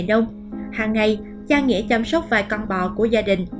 và ngay cha nghĩa chăm sóc vài con bò của gia đình